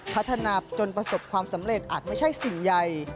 พัฒนาจนประสบความสำเร็จอาจไม่ใช่สิ่งใหญ่